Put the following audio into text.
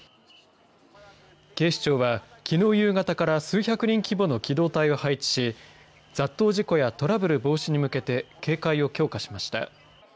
警視庁は、きのう夕方から数百人規模の機動隊を配置し、雑踏事故やトラブル防止に向けて、警戒を強化しました。